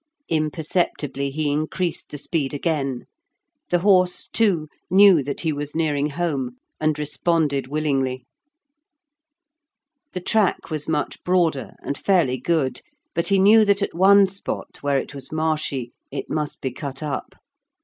Imperceptibly he increased the speed again; the horse, too, knew that he was nearing home, and responded willingly. The track was much broader and fairly good, but he knew that at one spot where it was marshy it must be cut up.